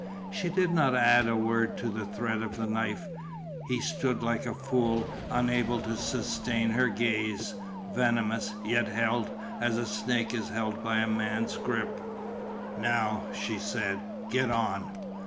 She did not add a word to the threat of the knife. He stood like a fool, unable to sustain her gaze, venomous, yet held, as a snake is held by a man's grip. "Now," she said, "get on.